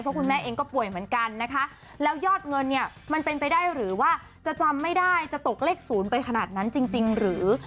เพราะคุณแม่เองก็ป่วยเหมือนกันนะคะแล้วยอดเงินเนี่ยมันเป็นไปได้หรือว่าจะจำไม่ได้จะตกเลข๐ไปขนาดนั้นจริงหรือ